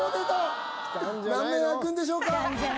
何面あくんでしょうか！